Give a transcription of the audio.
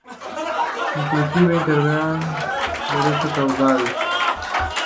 Inclusive intervino al propio Mariscal Alphonse Juin, salvándole la amputación del brazo derecho.